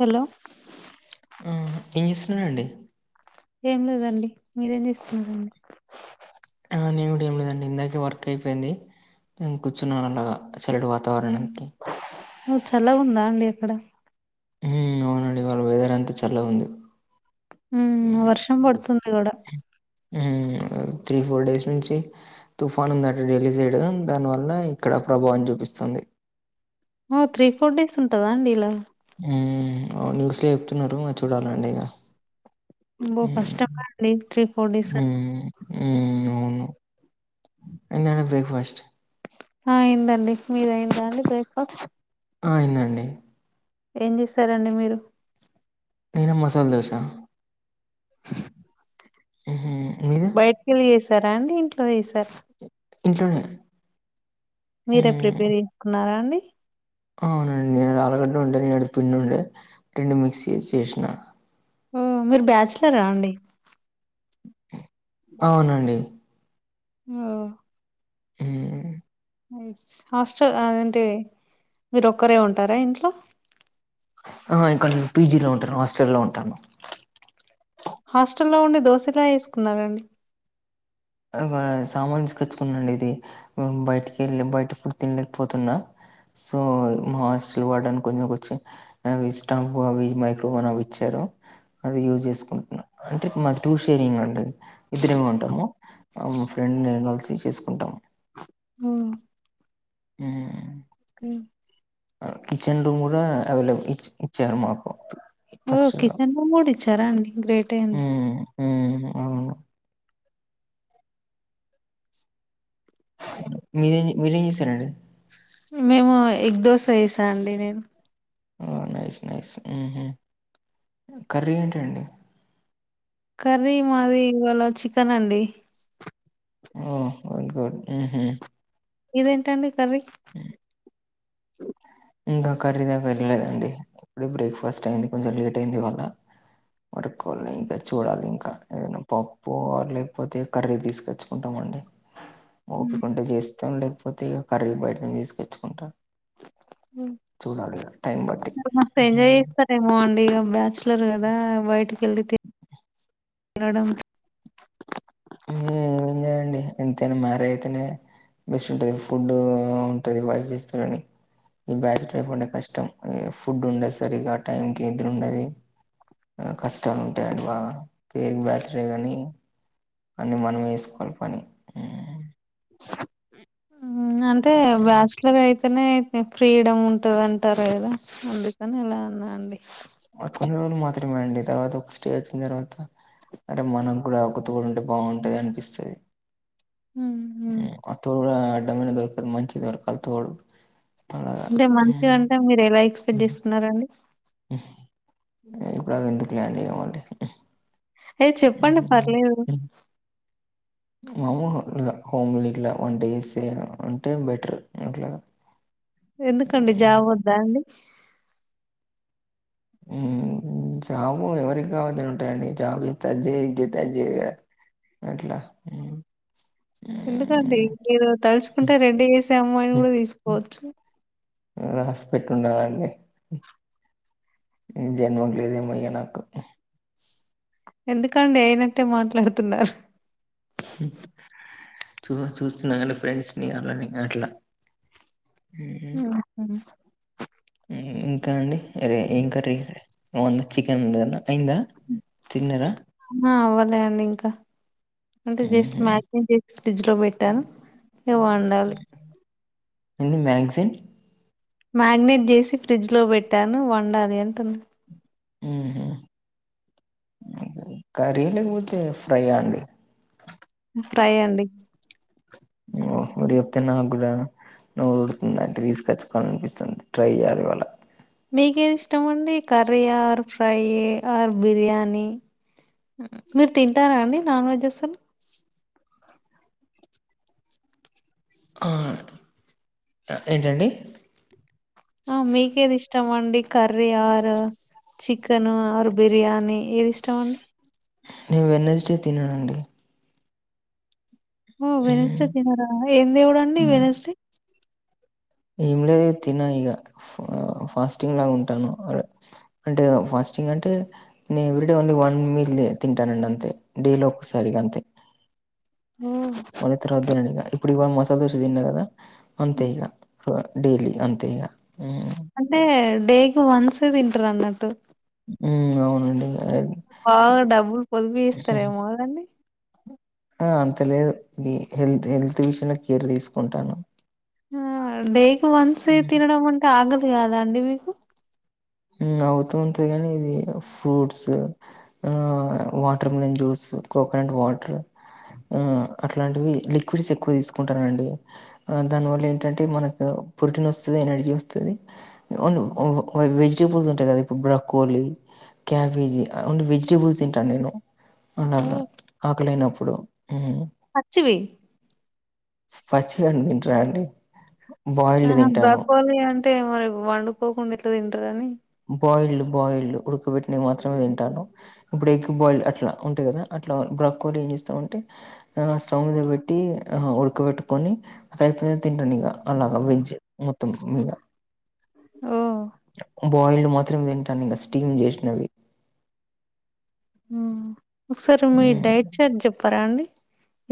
Hello ఆ! ఏం ఇస్తున్నానండి ఏం లేదండి మీరేం చేస్తున్నారంండి నేనుకూడా ఏం లేదండి ఇందాకే వర్క్ అయిపోయింది నేను కూర్చున్నాను అలాగా అసలడు వాతావరణాం చల్లగా ఉందా అండి అక్కడ హ్మ్మ్ అవునండి వాళ్ళ వెదర్ అంతా చల్లగా ఉంది ఉ వర్షం పడుతుంది కూడా త్రీ ఫోర్ డేస్ నుంచి తుఫాను ఉందట ఢిల్లీ సైడ్ దానివల్ల ఇక్కడ ప్రభావం చూపిస్తుంది ఓ త్రీ ఫోర్ డేస్ ఉంటదా అండి లా హ్మ్ న్యూస్ లో చెప్తున్నారు మరి చూడాలండి ఇగ బ హ్మ్. కష్టమడి త్రీ ఫోర్ డేస్ అ హ్మ్. హ్మ్ అవును ఎ [unintelligible] బ్రేక్ఫాస్ట్ ఆ అయిందండి మీర అయి్యందా అండి బ్రేక్ఫాస్ట్ ఆ అయింది అండి ఏం చేస్తారండి మీరు నేనా మసాలా దోశ అ బైట్ కేలి చేస బండ్ ఇంట్లో చేసారు ఇంట్లోనే మీరే హ్మ్. ప్రిపేర్ చేసుకున్నారాడి యి అవునండి నేను ఆలగడ్డ ఉండే నిన్నటిది పిండి ఉండే రెండు మిక్సీ చేసేసిన ఓ మీరు బ్యాచలరా అండి అవునండి ఓ హ్మ్ హాస్టల్ అదంటి మీరు ఒక్కరే ఉంటారా ఇంట్లో ఆ ఇక్కడ నను పీజీలో ఉంటాను హాస్టల్ లో ఉంటాను హాస్టల్లో ఉండి దోశ ఎలా చేసుకున్నారండి ఒక సామాను తీసుకొచ్చుకున్నా అండి ఇది బయటికి వెళ్ళ బయట ఫుడ్ తినలేకపోతున్నా సో మా హాస్టల్ వాార్డన్ కొంచెం కొ అ స్టాంప్ అవి మైక్రోవన్ అవి ఇచ్చారు అది యూజ్ చేసుకుంటున్నా అంటే మాది టూ షేరింగ్ అండి ఇద్దరేమ ఉంటాము మా ఫ్రెండ్ నేను కల్సి చేసుకుంటాం ఓకే హ్మ్ ఉ కిచెన్ రూమ్ కూడా అవైలబుల్ ఇచ్చారు మాకు ఓ హాస్టల్లో కిచెన్ రూమ్ కూడా ఇచ్ వచ్చారా అండి గ్రేటే అండి ఉ అవును మీ మీరం చేస్తారండి మేము ఎగ్ దోశ వేసా అండి నేను నైస్ నైస్ కర్రీ ఏంటి అండి కర్రీ మాది ఇవాళ చికెన్ అండి ఓహో గుడ్డు ఊ హు మీదేంటండి కర్రీ ఉ ఇంకా కర్రీ దాకా వెళ్ళలేదండి ఇప్పుడ బ్రేక్ఫాస్ట్ అయింది కొంచెం లేట్ అయింది వాళ్ళ మడుక్కోవాలని ఇంకా చూడాలి ఇంకా ఏదనా పప్పు లేకపోతే కర్రీ తీసుకొచ్చుకుంటామ అండి హ్మ్. ఓపిక ఉంటే చేస్తా మొత్తం లేకపోతే ఇక కర్రలు బయట తీసుకొచ్చుకుంటారు టైం బట్టి మస్తు ఎంజాయ్ మ్మ్ చేస్తారేమో అండి ఈగ బ్యాచ్ ఇస్తారు కదా బయట తెలియదు తినడం ఉ హు ఏఅండీ ఎంతైనా మ్యారేజ్ అయితేనే బెస్ట్ ఉంటంది ఫుడ్ ఉంటది వైఫ్ ఇస్తది ఈ బ్యాచ్లర్ లైఫ్ అంటే కష్టం ఫుడ్ ఉండదు సరిగా టైం కి నిద్ర ఉండది కష్టాలు ఉంటాయిండి బాగా పేరుకి బ్యాచ్లర్ కాని అన్ని మనం చేసుకోవాలి పని కప్ప సౌండ్ అవునంటే బ్యాచలర్ అయితే అనే అయితే ఫ్రీడమ్ ఉంటది అంటారు కదా అందుకని ఇలా అన్నా అండి ఫ్రిడమే అండి తర్వాత ఒక స్టేజ్ వచ్చిన తర్వాత అరే మనకు కూడా ఒకతోడు ఉంటే బాగుంటది అనిపిస్తుంది ఆ తోడ దొరికిందేమో దొరకాలి మంచిది తోడు అలాగా అంటే ఉమ్. మంచిగాంటే మీరు ఎలా ఎక్స్పెక్ట్ చేస్తున్నరండి హు ఇప్పుడు ఎందుకు లే అండీ ఇలాంటివి ఏ చెప్పండి పర్లేదు మాములుగా హోమ్ ఇట్లా వంట చేసే అంటే బెటర్ ఇట్లా ఎందుకండి జాబ్ వద్దా అండి కాకి సౌండ్ జాబు ఎవరికి కావద్దని ఉంటాయండి జాబు చేస్తే ఇది చేయ అది చేస్తే ఇది చేయ అట్లా ఎందుకండి మీరు తలుచూకుంటే రెండు వేసే అమ్మాయిని ఉమ్. కూడా తీసుకోవచ్చు రాసి పెటుండాలి అండీ ఈ జన్మకు లేదేమొ ఇగ నాకు ఎందుకండి అయినట్టే మాట్లాడుతున్నారు చూ చూస్తున్నా కదా అండీ ఫ్రెండ్స్ ని అలాని అట్లా ఉమ్, ఉ హు ఇంకా అండి సరే ఎం కర్రీ [unintelligible] చికెన్ ఉంది [unintelligible] ఆ అవ్వలే అండి ఇంకా అంటే జస్ట్ మ్యా [unintelligible] ఫ్రిడ్జ్ లో పెట్టాను ఇగ వండాలి ఏంది మ్యాగ్జీన్ మ్యారినేట్ చేసి ఫ్రిడ్జ్ లో పెట్టాను వండాలి అంటున్నా హ్మ్ కర్రీ లేకపోతే ఫ్రై అండి ఫ్రై అండి [unintelligible] నాకు కూడా నువ్వు ఉఊడుతుందంటే తీసుకొచ్చు కనిపిస్తుంది ట్రై చేయాలి ఇవాళ మీకేది ఇష్టమ అండి curry or fry or biryani మీరు తింటారా అండి నాన్ వెజ్ అసలు ఆహ్ ఏంటండి ఆ మీకేది ఇష్ట మండి curry or chicken or biryani ఏది ఇష్టం అండి నేను వెన్నెస్డే తిననండి ఓ మ్మ్. వెనస్డే తినారా ఏ దేవడంండి మ్మ్. వెనస్డే ఏం లేదు తిన ఇక ఫాస్టింగ్ లాగా ఉంటాను అంటే ఫాస్టింగ్ అంటే నేను every day only one meal తింటానండి అంతే డేలో ఒక్కసారిగా అంతే హ్మ్. మల్ల తర్వాత తినన్ ఇగ ఇప్పుడు ఇవాళ మసాలా దోస తిన్న కదా అంతే హ్మ్. ఈగ డైలీ అంతేగా అంటే డేకి వన్సే తింటారు అన్నట్టు ఉ అవునండి బాగా డబ్బులు పొదుపూ చేస్తారేమో కదండీ ఆ అంతలేదు ఇది హెల్త్ హెల్త్ విషయంలో కేర్ తీసుకుంటాను ఆ డే కి వన్సే తిినడంమంటె ఆగ్ లీ కాదా అండి మీకు అవుతూ ఉంటది కాని ఇది ఫ్రూట్స్ ఆ water melon juice coconut water అట్లాంటివి లిక్విడ్స్ ఎక్కువ తీసుకుంటారుండి దానివల్ల ఏంటంటే మనకు ప్రోటీన్ వస్తుంది ఎనర్జీ వస్తుందిన్ వెజి వెజిటబుల్స్ ఉంటాయి కదా ఇప్పుడు బ్రకోలీ క్యాబేజీ ఓన్లీ వెజిటేబుల్స్ తింటాను నేను ఉవున్నాదా హ్మ్. ఆ మక్కలేనప్పుడు పచ్చివి పాచివంట్ర అండి బాయిల్డ్ ఆ తింటాను బకోల అంటే మరి వండు పోకుండా ఏట్లు తంటరా అని బయిల్డ్ బయల్డ్ పెట్టి నేను మాత్రమే తింటాను ఇప్పుడు ఎగ్ బాయిల్ అట్ల ఉంటయి కదా అట్లా బ్ర్రాక్లీ ఏం చేస్తాం అంటే ఆ స్టవ్ మీద పెట్టి ఉడకబెట్టుకొని అయితే తింటనిగ అలాగా వెజ్ మొత్తం మీగ ఓ బాయిల్డ్ మాత్రం తింటానిఘా స్టీమ్ చేసినవి ఉ ఒకసారి మీ హ్మ్ డైట్ చార్ట్ చెప్పారా అండి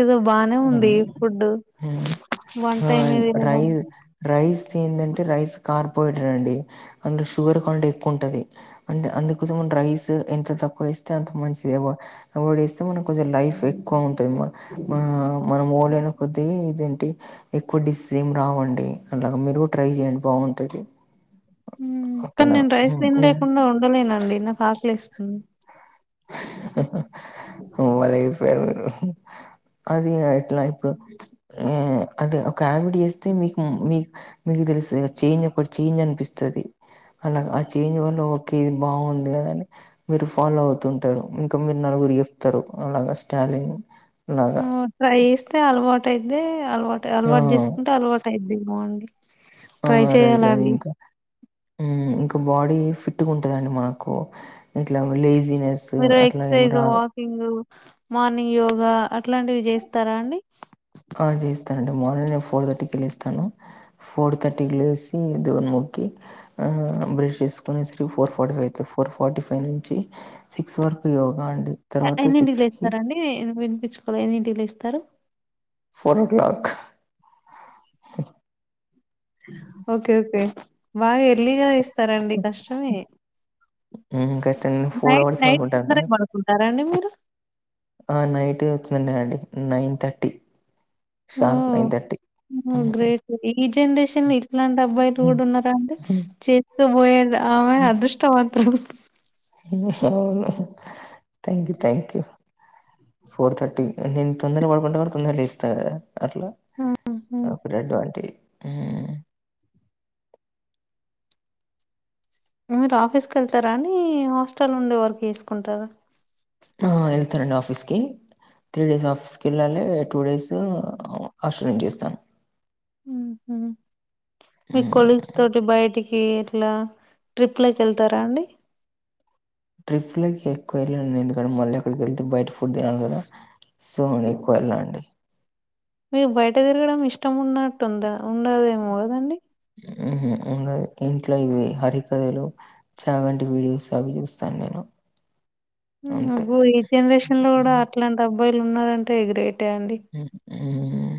ఏదో బానే ఉంది ఫుడ్ హ్మ్ వంటై ఏ తినడం ఎందంటే రైస్ కార్బహైడ్రేట్ అండి అందులో షుగర్ ఎక్కు ఉంటంది అంటే అందుకోసం రైస్ ఎంత తక్కువ వేస్తే అంత మంచిది అ మ కొంచం లైన్ ఎక్కవ ఎమ్ మనం ఓలేన కొద్దీ ఇదేంటి ఎక్కువ సేమ్ రావండి అలాగ మీరు ట్రై చేయండి బాగుంటది కానీ నేను రైస్ తినలేకుండా ఉండలేనండి నాకు ఆకలిస్తుంది మ మళ [inaudible] రురు అది ఎట్లా ఇప్పుడు అది ఒక హమెడీ అది అట్లా ఇప్పుడు అదీ ఒక అవిడ చేస్తే మీకు మీకు తెలుస్తు చేంజ్ ఒకటి చేంజ్ అనిపిస్తుంది అలా ఆ చేంజ్ వల్ల ఒకే ఇది బాగుంది కదాని మీరు ఫాలో అవు తింటారు ఇంకా మీరు నలుగురు చెప్తారు అలాగా స్టాలిన్ లాగా ఉమ్ టైస్టే అలవాట్ టేతే అలవాటు ఆ అలవాటు చేసుకుంటే అలవాటు అయిది మంది ఆ రైతే ఇంకా ఇంకా బాడీ ఫిట్గ ఉంటది అండి మనకు ఇట్ల లేజీ మీరు ఎక్ససైజ్ వాకింగ్ మార్నింగ్ యోగా అట్లాంటివి చేస్తారా అండి ఆ చేయిస్తానండి మార్నింగ్ నేను ఫోర్ థర్టీకిి లేస్తాను ఫోర్ థర్టీకి లేసి దేవుని మొక్కి ఆ బ్రష్ చేసుకు మిశ్రు ఫోర్ ఫార్టీ ఫైవ్ అయితే ఫోర్ ఫార్టీ ఫైవ్ నుంచి సిక్స్ వరకు యోగా అం ఎన్నింటికి లెతరండి వినిపించుకోలె ఎన్నింటికి లేస్తారు. Four o'clock okay okay వాఏర్ లీగా ఇస్తారండి కష్టమే హ్మ్. కష్టం. నైట్ అవర్స్ నైట్ పడుకుంటాను. ముందరే పడుకుంటారా అండి మీరు. ఆ నైట్ వచ్చిండె హండి నైన్ థర్టీ ఓ ఉ గ్రేట్ ఈ జనరేషన్ ఇట్లాంటి అబ్బాయిలు కూడా ఉన్నారా అంటే చేసుకోబోయారు ఆమె అదృష్టవం రుహము అవును thank you thank you four thirty నేను తొందర పడుకుంటా కూడా తొందర లేస్తా అట్లా హుహు. అ బ్రేడ్ వంటి ఆ మీరు ఆఫీస్కి వెళ్తారా అని హాస్టల్ నుండే వర్క్ చేసుకుంటారా. ఆ వెళ్తానండి ఆఫీస్కి త్రీ డేస్ ఆఫీస్కి వెళ్ళాలి టూ డేస్ [unintelligible] చేస్తాను ఊహు మీ హ్మ్. కొలీగ్స్ తోటి బయటికి ఈట్ల ట్రిప్లకి వెళ్తారా అండి ట్రిప్లకి ఎక్కువ వెళ్ళనండి నే ఎందుకంటే మళ్ళీ అక్కడికి వెళ్తే బయట ఫుడ్ తినాలి కదా సో అ ఎక్కువ వెళ్ళ అండి మీకు బయట తిరగడం ఇష్టం ఉన్నట్టుందా ఉండదేమో కదండి ఊహు ఏం కాదు ఇంట్లో ఇవి హరికథలు చాగంటి వీడియోస్ అవి చూస్తాను నేను మ్మ్ అంతే. అబ్బో ఈ జనరేషన్ లో కూడా హ్మ్. అట్లాంటబ్ మొబైల్ ఉన్నారంటే గ్రేట్ ట్టే అండి మ్మ్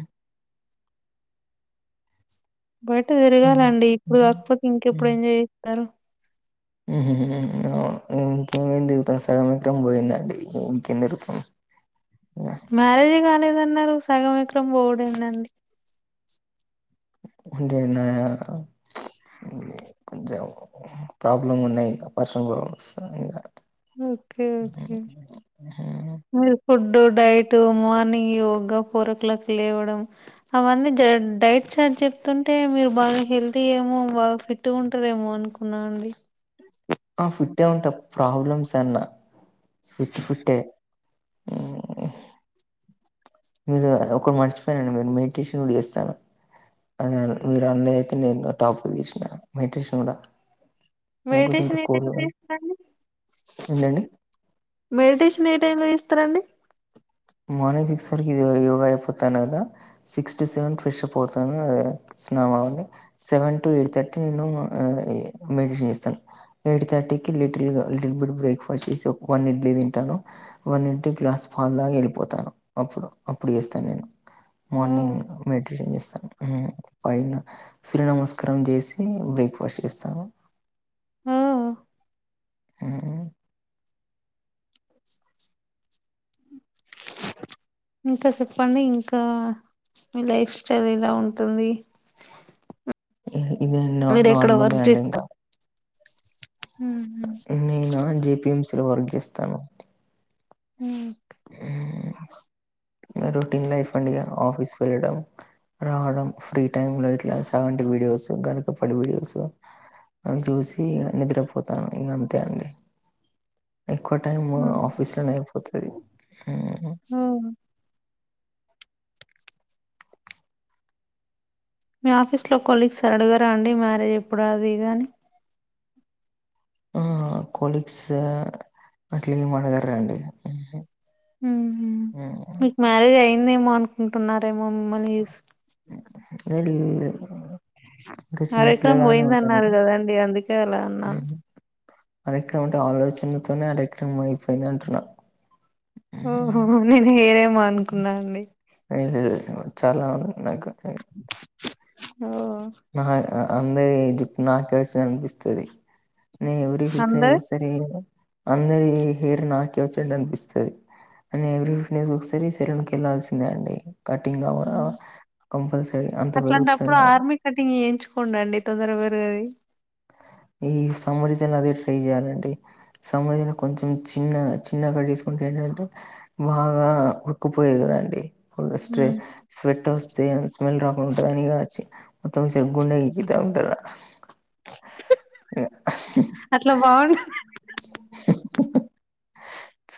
బయట హ్మ్. తిరగాలండి ఇప్పుడు హ్మ్. కాకపోతే ఇంకెప్పుడు ఎంజాయ్ చెత్తారు ఊహు హూ అవును ఇంకేం దెల్తది సగం ఎకరం పోయిందండి ఇంకేంది రూపం మ్యారేజే కాలేదన్నరు సగం విక్రమ్ బోడు ఏందండి అంతేనా పజవు [inaudible] ప్రాబ్లమ్ ఉన్నది పర్సనల్ ప్రాబ్లమ్స్ ఇంగా ఒకే okay food diet morning yoga four o'clock లేవడం అవన్నీ డైట్ చార్జ చెప్తుంటే మీరు బాగా హెల్తీ ఏమో బాగా ఫిట్గా ఉంటారేమో అనుకో, ఉన్నా నండి ఆ ఫిట్టే ఉంటా ప్రాబ్లమ్స్ అన్నా ఫిట్ ఫిటే మ్మ్ మీరు ఒకటి మర్చిపోయినండి నేను మెడిటేషన్ కూడా చేస్తాను అదే అదే మీరు అనేది నేను టాపిక్ తీసినా మెడిటేషన్ కూడా అందుకోసం ఇంత మెడిటేషన్ ఏ టైంలో కూల్గా చేస్తరండి ఏంటండి మెడిటేషన్ ఏ టైంలో చేస్త రండి. మార్నింగ్ సిక్స్ వరకు యోగా అయిపోతనదే six to seven fresh up అవుతాను స్నానం అండి సెవెన్ టు ఎయిట్ థర్టీ నేను ఆ మెడిటేషన్ చేస్తాను ఎయిట్ థర్టీ కి లిటిల్గా బ్రేక్ఫాస్ట్ చేసి ఒక ఇడ్లీ తింటాను ఒక ఇడ్లీ గ్లాస్ పాలు వెలి పోతాను అప్పుడు అప్పుడు చేస్తా నేను ఓ మార్నింగ్ మెడిటేషన్ చేస్తాను ఉమ్ పైన సూర్య నమస్కారం చేసి బ్రేక్ఫాస్ట్ చేస్తాను మ్మ్ హ్మ్ ఆ ఇంకా చెప్పండి ఇంకా మీ లైఫ్ స్టైల్ ఎలా ఉంటుంది? ఇది నో మీరు ఎక్కడ నార్మల్ వర్క్ అండి ఇంకా చేస్తారు హుహు. నేనా జెపిఎంసి వర్క్ ఇస్తాను. ఉ రొటీన్ లైఫ్ అండి ఇగ ఆఫీస్ ప్రీడమ్ రావడం ఫ్రీ టైమ్ లో ఇట్లా చాగంటి వీడియోస్, గరికపాటి వీడియోస్ అవి చూసి నిద్రపోతాను ఇంగ అంతే అండి. ఎక్కువ టైమ్ హ్మ్. ఆఫీస్లోనే వత్తది ఆహ ఓహ్! మీ ఆఫీస్లో కొలీగ్స్ అడగరాండి మ్యారేజ్ ఎప్పుడు అది ఇదని ఆహహ కోలీగ్స్ అట్లా ఏం అడగరండి. ఉహు మీకు మ్యారేజ్ అయి నేమో అనుకుంటున్నారమ్ మొమ్మనీష్ ఏం లేదు అరక పోయింద ఉంటాను అన్నారు నేను. కదాండి అందుకే అలా అన్నాను. అర్యక్రమ అంటే ఆలోచనలతోనే అర్యక్రమం అయిపోయింది అంటున్నా. ఓహో నేను హెయిర్ ఏ అనుకున్నాండి లేదు, లేదు, చాలా ఉంది నాకు హెయిర్ ఓ ఆహా ఆ అం మెయి జుట్టు నాకే వస్తది అనిపిస్తది నేను ఎవరి ఫిఫ్టీన్ డేస్ కి అందరు ఒకసారి అందరి హా హెయిర్ నాకే వచ్చింది అనిపిస్తది కానీ ఎవరీ ఫిఫ్టీన్ డేస్ కి ఒకసారి సెలూన్ కి వెళ్లాల్సిందే అండి కటింగ్ హ్మ్. [unintelligible] కంపల్సరీ అంత పెరుగుతుంది అట్లాంటప్పుడు నాకు ఆర్మీ కటింగ్ చేయించుకోండి తొందరగా పెరగది ఈ సమ్మర్ సీజన్ అదే ట్రై చేయ్యాలండి సమ్మర్ సీజన్ కొంచెం చిన్న చిన్న కట్సుకుంటే ఏంటంటే బాగా ఉరుక్కుపోయది కదాండి హ్మ్. [unintelligible] స్వేట్ వస్తే స్మెల్ రా ఉంటదానిగాచ్చి మొత్తం సెల్ఫ్ గుండె గీకి అట్టంటారా అట్లా బాగు [inaudible]